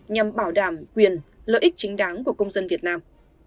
nhằm bảo đảm quyền lợi ích chính đáng của công dân việt nam